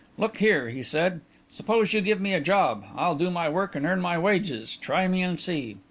"Look here," he said, "suppose you give me a job. I'll do my work and earn my wages try me and see."